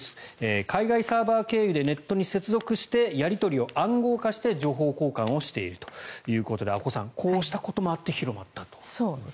海外サーバー経由でネットに接続してやり取りを暗号化して情報交換をしているということで阿古さん、こうしたこともあって広まったと。